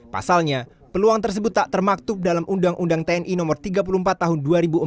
pasalnya peluang tersebut tak termaktub dalam undang undang tni no tiga puluh empat tahun dua ribu empat